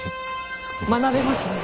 学べますね。